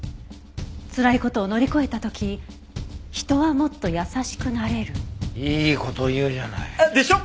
「辛いことを乗り越えた時人はもっと優しくなれる」いい事言うじゃない。でしょ？